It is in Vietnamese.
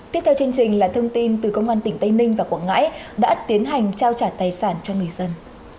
tiếp theo chương trình là thông tin từ công an tỉnh tây ninh và quảng ngãi đã tiến hành trao trả tài sản cho người dân